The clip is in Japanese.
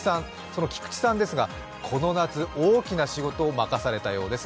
その菊池さんですが、この夏、大きな仕事を任されたようです。